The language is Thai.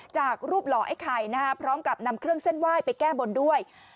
จากรูปหล่อไอ้ไข่พร้อมกับนำเครื่องเส้นไหว้ไปแก้บนด้วย